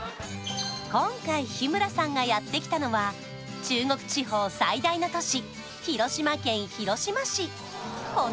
今回日村さんがやって来たのは中国地方最大の都市